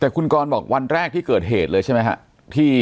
แต่คุณกรบอกวันแรกที่เกิดเหตุเลยใช่ไหมครับ